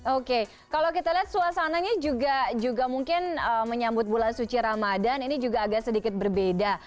oke kalau kita lihat suasananya juga mungkin menyambut bulan suci ramadan ini juga agak sedikit berbeda